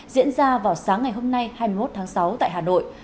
diễn ra vào sáng ngày hôm nay hai mươi một tháng sáu tại hà nội